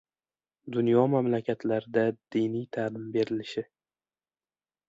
Dunyo mamlakatlarida diniy ta’lim berilishi